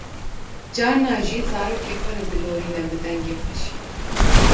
carna jî zarokê xwe re dilorîne bi dengê xweşik.